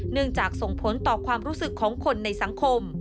จากส่งผลต่อความรู้สึกของคนในสังคม